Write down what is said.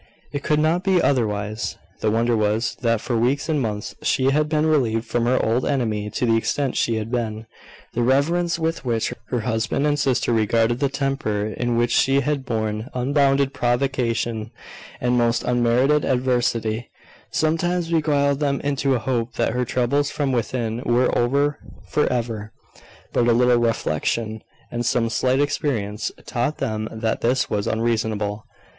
It could not be otherwise. The wonder was, that for weeks and months she had been relieved from her old enemy to the extent she had been. The reverence with which her husband and sister regarded the temper, in which she had borne unbounded provocation, and most unmerited adversity, sometimes beguiled them into a hope that her troubles from within were over for ever; but a little reflection, and some slight experience, taught them that this was unreasonable.